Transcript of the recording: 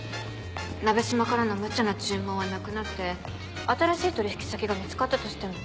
「なべしま」からのむちゃな注文はなくなって新しい取引先が見つかったとしても。